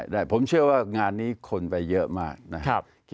ได้ผมเชื่อว่างานนี้คนไปเยอะมากนะครับ